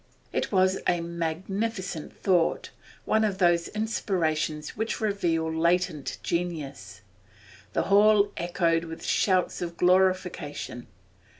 It was a magnificent thought, one of those inspirations which reveal latent genius. The hall echoed with shouts of glorification.